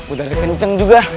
udah kenceng juga